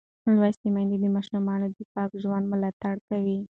لوستې میندې د ماشومانو د پاک ژوند ملاتړ کوي.